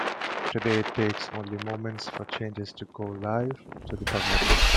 Today it takes only moments for changes to go live to the public.